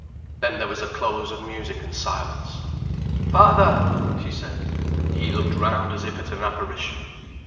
Then there was a close of music and silence. "Father!" she said. He looked round as if at an apparition.